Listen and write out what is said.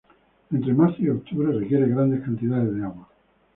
Entre marzo y octubre requiere grandes cantidades de agua.